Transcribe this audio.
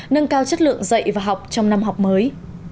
nâng cao chất lượng dạy và học trong năm học mới